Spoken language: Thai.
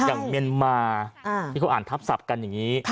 เมียนมาที่เขาอ่านทับศัพท์กันอย่างนี้